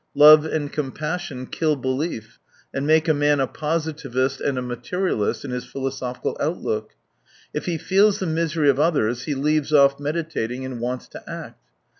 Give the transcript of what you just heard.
Love and compassion kill belief, and make a man a positivist and a materialist in his philo sophical outlook. If he feels the misery of others, he leaves off meditating and wants to act.